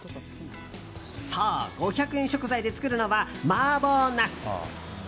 そう、５００円食材で作るのは麻婆ナス。